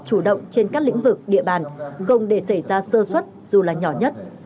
chủ động trên các lĩnh vực địa bàn không để xảy ra sơ xuất dù là nhỏ nhất